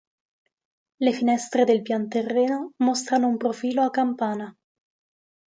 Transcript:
Le finestre del pianterreno mostrano un profilo a campana.